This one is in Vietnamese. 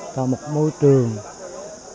và tạo ra một môi trường tâm linh